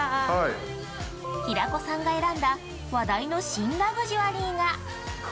◆平子さんが選んだ話題の新ラグジュアリーが。